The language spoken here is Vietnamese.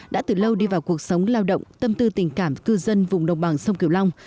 đã từ lâu đi vào cuộc sống lao động tâm tư tình cảm cư dân vùng đồng bằng sông kiều long